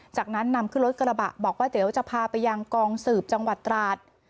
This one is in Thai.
จากนั้นนำขึ้นรถกระบะบอกว่าเดี๋ยวจะพาไปยังกองสืบจังหวัดตราด